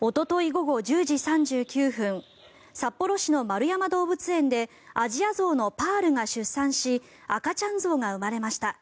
午後１０時３９分札幌市の円山動物園でアジアゾウのパールが出産し赤ちゃん象が生まれました。